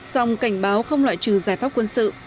song cảnh báo không loại trừ giải pháp quân sự